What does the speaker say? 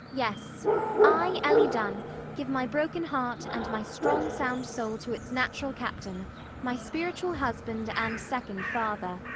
Yes: I, Ellie Dunn, give my broken heart and my strong sound soul to its natural captain, my spiritual husband and second father.